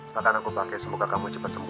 bahkan aku pake semoga kamu cepet sembuh ya